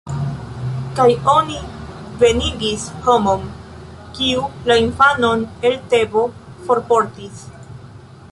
Kaj oni venigis homon, kiu la infanon el Tebo forportis.